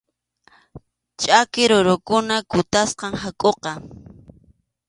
Ch’aki rurukuna kutasqam hakʼuqa.